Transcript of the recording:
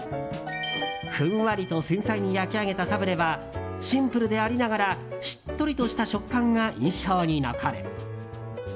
ふんわりと繊細に焼き上げたサブレはシンプルでありながらしっとりとした食感が印象に残る。